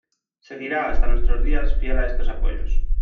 Seguirá hasta nuestros días fiel a estos apoyos.